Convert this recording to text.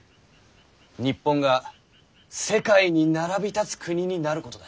日本が世界に並び立つ国になることだ。